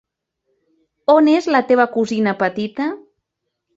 On és la teva cosina petita?